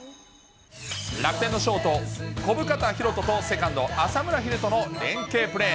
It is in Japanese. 楽天のショート、小深田大翔とセカンド、浅村栄斗の連係プレー。